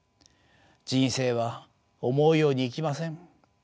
人生は思うようにいきません。